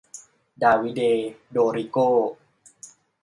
ดาวิเด โดริโก้